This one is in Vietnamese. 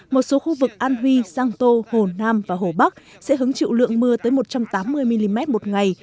một số khu vực an huy giang tô hồ nam và hồ bắc sẽ hứng chịu lượng mưa tới một trăm tám mươi mm một ngày